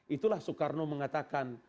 itulah soekarno mengatakan